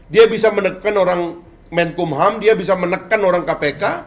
dia bisa menekan orang menkumham dia bisa menekan orang kpk